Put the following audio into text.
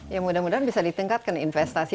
ya mudah mudahan bisa ditingkatkan investasi